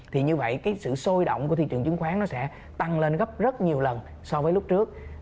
thì như vậy cái sự sôi động của thị trường chứng khoán nó sẽ tăng lên gấp rất nhiều lần so với lúc trước